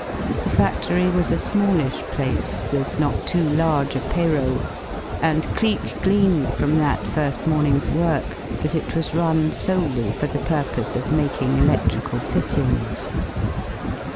The factory was a smallish place, with not too large a payroll, and Cleek gleaned from that first morning's work that it was run solely for the purpose of making electrical fittings.